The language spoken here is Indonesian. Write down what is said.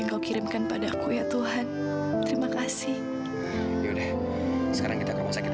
untuk urusan bayi aku itu harus diutar dicegat